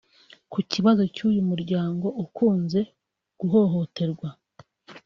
Ku kibazo cy’uyu muryango ukunze guhohoterwa